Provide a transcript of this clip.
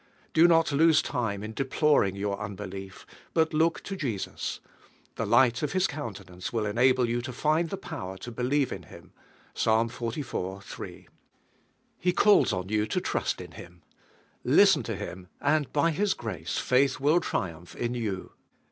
Do not lose time in deploring your unbelief, but look to Jesus. The light of His coun tenance will enable you to find the power to believe in Him (Ps. xliv. 3). lie calls on you to trust in Him; listen to Him, and by His grace faith will triumph in you.